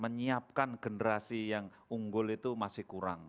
menyiapkan generasi yang unggul itu masih kurang